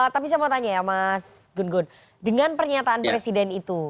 tapi saya mau tanya ya mas gun gun dengan pernyataan presiden itu